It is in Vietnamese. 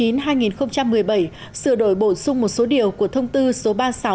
năm hai nghìn một mươi bảy sửa đổi bổ sung một số điều của thông tư số ba mươi sáu hai nghìn một mươi bốn